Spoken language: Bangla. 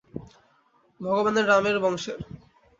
ভগবানের রামের বংশের।